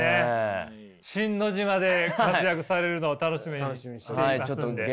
シン・ノジマで活躍されるのを楽しみにしていますんで。